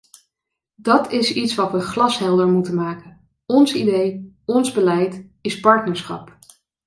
Dat is iets wat we glashelder moeten maken: ons idee, ons beleid, is partnerschap.